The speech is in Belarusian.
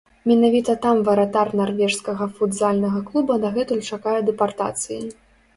Менавіта там варатар нарвежскага футзальнага клуба дагэтуль чакае дэпартацыі.